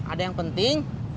ada yang penting